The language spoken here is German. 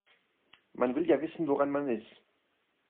Man will ja wissen, woran man ist.